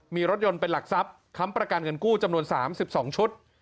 มีรถยนต์เป็นหลักทรัพย์คำประการเงินกู้จำนวนสามสิบสองชุด